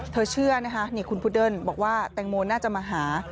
เธอเชื่อนะฮะคุณพุดเดิ้นบอกว่าแต่งโมน่าจะมาหา